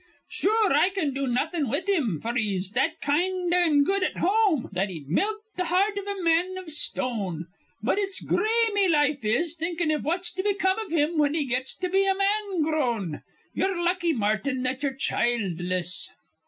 Sure, I can do nawthin' with him, f'r he's that kind an' good at home that he'd melt th' heart iv a man iv stone. But it's gray me life is, thinkin' iv what's to become iv him whin he gets to be a man grown. Ye're lucky, Martin, that ye're childless."